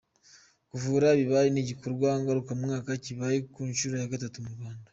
Kuvura ibibare ni igikorwa ngaruka mwaka cyibaye ku nshuro ya gatatu mu Rwanda.